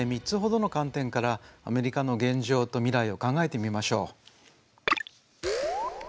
３つほどの観点からアメリカの現状と未来を考えてみましょう。